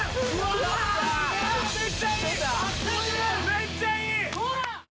めっちゃいい！